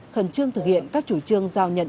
khẩn trương thực hiện các chủ trương giao nhận